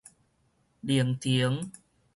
靈程